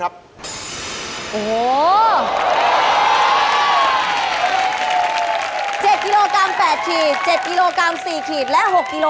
สุดท้าย